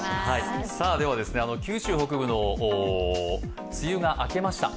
九州北部の梅雨が明けました。